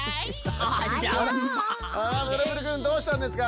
ブルブルくんどうしたんですか？